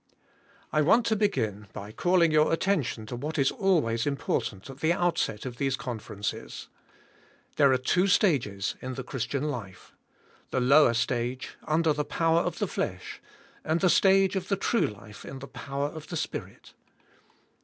I want to begin by calling your attention to what is always important at the outset of these confer ences. There are two stages in the Christian life: the lower stage under the power of the flesh, and the stage of the true life in the power of the Spirit.